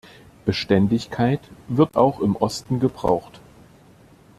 Beständigkeit wird auch im Osten gebraucht.